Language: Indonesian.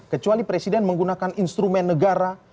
kecuali presiden menggunakan instrumen negara